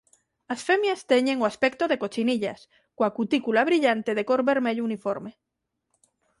As femias teñen o aspecto de cochinillas coa cutícula brillante de cor vermello uniforme.